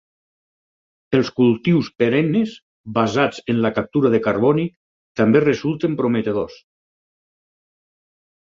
Els cultius perennes basats en la captura de carboni també resulten prometedors.